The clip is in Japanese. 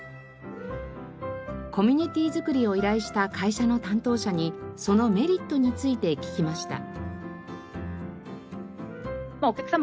コミュニティ作りを依頼した会社の担当者にそのメリットについて聞きました。